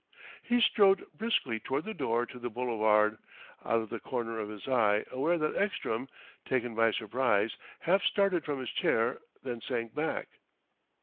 He strode briskly toward the door to the boulevard, out of the corner of his eye aware that Ekstrom, taken by surprise, half started from his chair, then sank back.